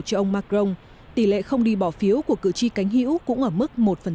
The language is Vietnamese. trong macron tỷ lệ không đi bỏ phiếu của cử tri cánh hữu cũng ở mức một phần bốn